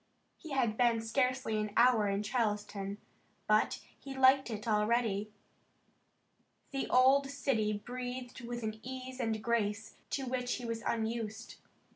He had been scarcely an hour in Charleston but he liked it already. The old city breathed with an ease and grace to which he was unused.